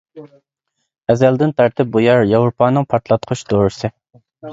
ئەزەلدىن تارتىپ بۇ يەر ياۋروپانىڭ پارتلاتقۇچ دورىسى.